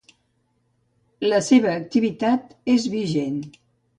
La seva activitat és vigent.